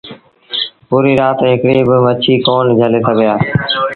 پوريٚ رآت هڪڙيٚ با مڇيٚ ڪون جھلي سگھيآ۔